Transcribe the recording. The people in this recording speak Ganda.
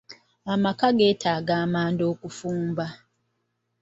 Amaka geetaaga amanda okufumba.